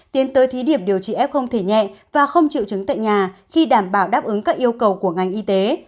tiến tới thí điểm điều trị f không thể nhẹ và không triệu chứng tại nhà khi đảm bảo đáp ứng các yêu cầu của ngành y tế